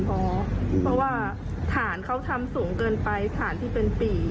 เพราะว่าฐานเขาทำสูงเกินไปฐานที่เป็นปี่